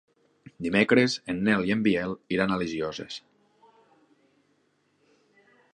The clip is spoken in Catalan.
Dimecres en Nel i en Biel iran a les Llosses.